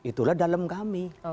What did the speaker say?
itulah dalam kami